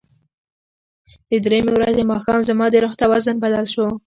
د درېیمې ورځې ماښام زما د روح توازن بدل شو.